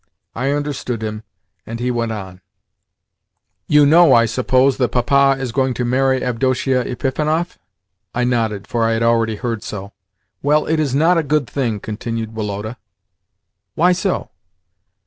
I understood him, and he went on: "You know, I suppose, that Papa is going to marry Avdotia Epifanov?" I nodded, for I had already heard so. "Well, it is not a good thing," continued Woloda. "Why so?"